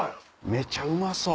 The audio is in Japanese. めちゃうまそう！